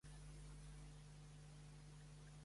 Suposem que avui alineats una estrella i anotem l'hora.